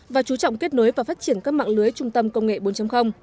và chú trọng kết nối và phát triển các mạng lưới trung tâm công nghệ bốn